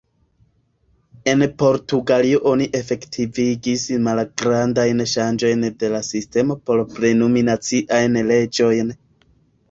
En Portugalio oni efektivigis malgrandajn ŝanĝojn de la sistemo por plenumi naciajn leĝojn.